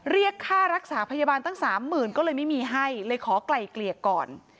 เรียกค่ารักษาพยาบาลตั้ง๓๐๐๐๐ก็เลยไม่มีให้เลยขอกล่ายเกลียกก่อน